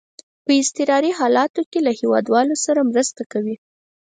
په اضطراري حالاتو کې له هیوادوالو سره مرسته کوي.